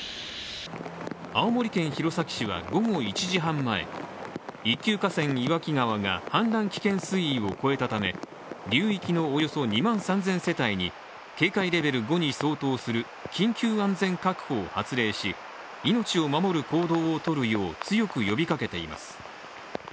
青森県弘前市は午後１時半、一級河川・岩木川が氾濫危険水位を超えたため流域のおよそ２万３０００世帯に警戒レベル５に相当する緊急安全確保を発令し命を守る行動をとるよう強く呼びかけています。